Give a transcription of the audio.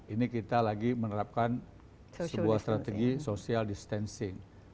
ini kita lagi menerapkan sebuah strategi social distancing